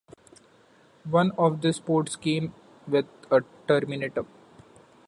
One of these ports came with a terminator.